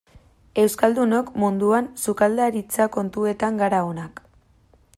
Euskaldunok munduan sukaldaritza kontuetan gara onak.